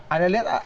ini yang menarik